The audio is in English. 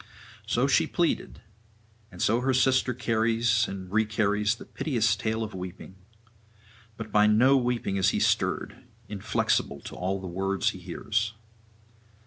So she pleaded, and so her sister carries and recarries the piteous tale of weeping. But by no weeping is he stirred, inflexible to all the words he hears.